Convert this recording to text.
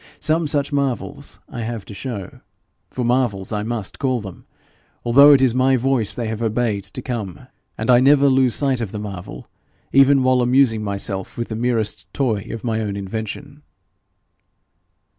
Some such marvels I have to show for marvels I must call them, although it is my voice they have obeyed to come; and I never lose sight of the marvel even while amusing myself with the merest toy of my own invention.'